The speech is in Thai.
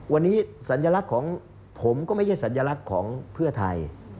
วันนี้สัญลักษณ์ของผมก็ไม่ใช่สัญลักษณ์ของเพื่อไทย